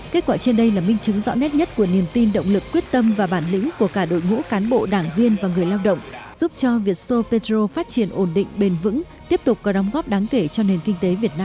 kết quả trên đây là minh chứng rõ nét nhất của niềm tin động lực quyết tâm và bản lĩnh của cả đội ngũ cán bộ đảng viên và người lao động giúp cho vietso petro phát triển ổn định bền vững tiếp tục có đóng góp đáng kể cho nền kinh tế việt nam